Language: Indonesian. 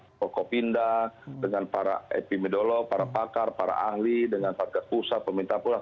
ya kami terus koordinasi dengan para pokok pindah dengan para epidemiolog para pakar para ahli dengan pakar pusat pemerintah pulang